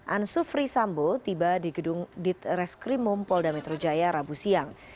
ansufri sambo tiba di gedung ditreskrimum polda metro jaya rabu siang